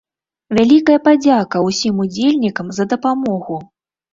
Вялікая падзяка усім удзельнікам за дапамогу!